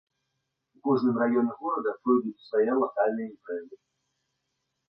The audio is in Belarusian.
У кожным раёне горада пройдуць свае лакальныя імпрэзы.